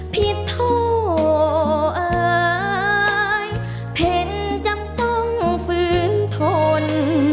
ผิดโทษอายเพ็ญจำต้องฟื้นทน